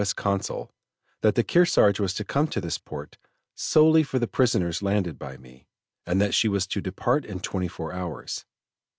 S. Consul, that the Kearsarge was to come to this port solely for the prisoners landed by me, and that she was to depart in twenty four hours.